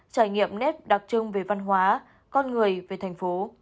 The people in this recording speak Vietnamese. trải nghiệm nét đặc trưng về văn hóa con người về thành phố